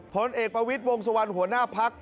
ผลเอกประวิทย์วงสุวรรณหัวหน้าพัก